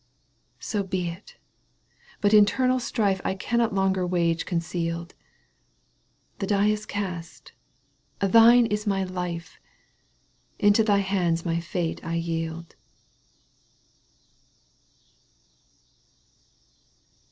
So be it ! But internal strife I cannot longer wage concealed. The die is cast ! Thine is my life ! Into thy hands my fate I yield